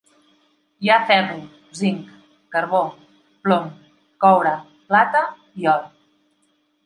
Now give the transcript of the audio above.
Hi ha ferro, zinc, carbó, plom, coure, plata i or.